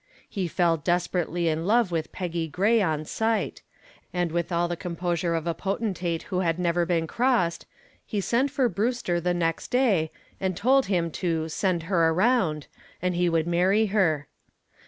He fell desperately in love with Peggy Gray on sight, and with all the composure of a potentate who had never been crossed he sent for Brewster the next day and told him to "send her around" and he would marry her.